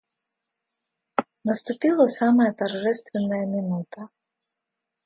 Наступила самая торжественная минута.